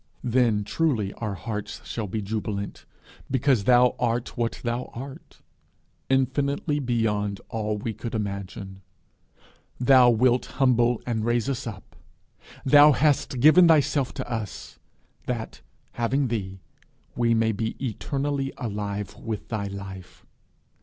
Then truly our hearts shall be jubilant, because thou art what thou art infinitely beyond all we could imagine. Thou wilt humble and raise us up. Thou hast given thyself to us that, having thee, we may be eternally alive with thy life.